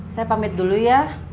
saya pamit dulu ya